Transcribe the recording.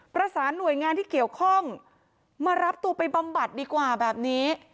ประสานหน่วยงานที่เกี่ยวข้องมารับตัวไปบำบัดดีกว่าแบบนี้